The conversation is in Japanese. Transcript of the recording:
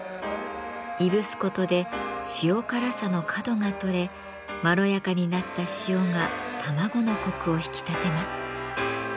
いぶすことで塩辛さの角が取れまろやかになった塩が卵のコクを引き立てます。